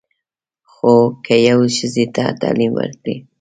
خو که یوې ښځې ته تعلیم ورکړې.